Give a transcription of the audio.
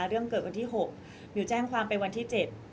เรื่องเกิดวันที่๖มิวแจ้งความไปวันที่๗